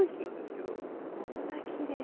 こんなきれいな。